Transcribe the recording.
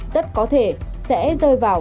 rất có thể sẽ rơi vào